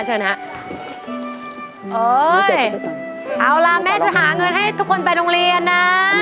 โอ๊ยเอาล่ะแม่จะหาเงินให้ทุกคนไปโรงเรียนนะ